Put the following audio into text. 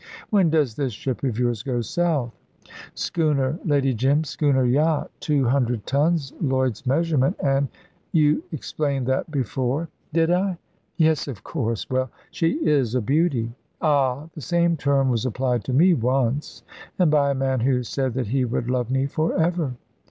When does this ship of yours go south?" "Schooner, Lady Jim schooner yacht; two hundred tons Lloyd's measurement and " "You explained that before." "Did I? Yes, of course. Well, she is a beauty." "Ah! The same term was applied to me once and by a man who said that he would love me for ever."